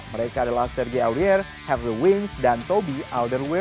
mereka adalah sergei aurier henry wings dan toby alderweireld